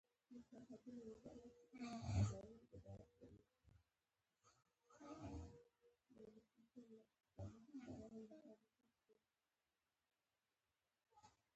د ادرسکن سیند له هرات راځي